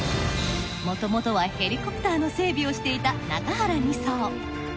もともとはヘリコプターの整備をしていた中原２曹。